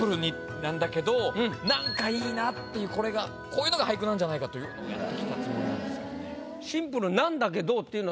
っていうこれがこういうのが俳句なんじゃないかというのをやってきたつもりなんですけどね。